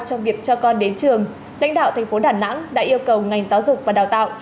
trong việc cho con đến trường lãnh đạo thành phố đà nẵng đã yêu cầu ngành giáo dục và đào tạo